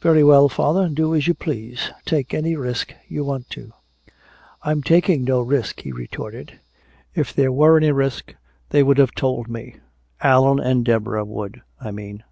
"Very well, father, do as you please. Take any risk you want to." "I'm taking no risk," he retorted. "If there were any risk they would have told me Allan and Deborah would, I mean."